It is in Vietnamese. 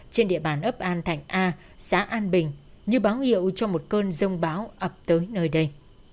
trên địa bàn ấp an thạnh a xã an bình như báo hiệu cho một cơn rông báo ập tới nơi đây